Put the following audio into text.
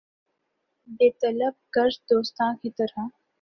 بے طلب قرض دوستاں کی طرح